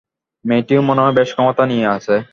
মেয়েটিও মনে হয় বেশ ক্ষমতা নিয়ে আছে।